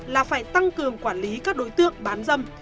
là phải tăng cường quản lý các đối tượng bán dâm